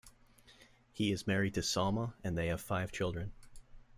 He is married to Salma and they have five children.